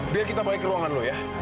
biar kita balik ke ruangan loh ya